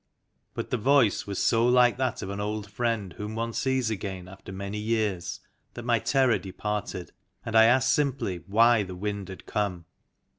But the voice was so like that of an old friend whom one sees again after many years that my terror departed, and I asked simply why the Wind had come.